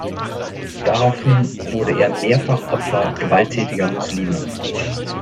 Daraufhin wurde er mehrfach Opfer gewalttätiger Muslime.